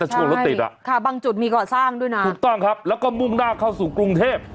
ช่วงรถติดอ่ะค่ะบางจุดมีก่อสร้างด้วยนะถูกต้องครับแล้วก็มุ่งหน้าเข้าสู่กรุงเทพ